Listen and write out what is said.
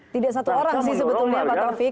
tidak satu orang sih sebetulnya pak taufik